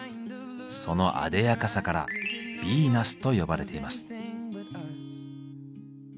そのあでやかさから「ヴィーナス」と呼ばれています。